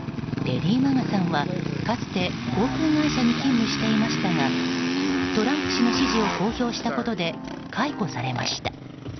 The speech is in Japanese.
レディー・マガさんはかつて航空会社に勤務していましたがトランプ氏の支持を公表したことで解雇されました。